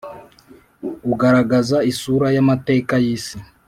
ugaragaza isura yamateka yisi